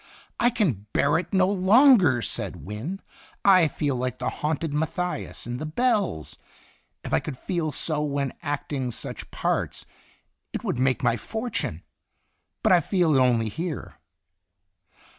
"I can bear it no longer!" said Wynne. io 2ln Itinerant " I feel like the haunted Matthias in ' The Bells.' If I could feel so when acting such parts, it would make my fortune. But I feel it only here."